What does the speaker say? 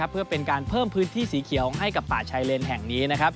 เพื่อเป็นการเพิ่มพื้นที่สีเขียวให้กับป่าชายเลนแห่งนี้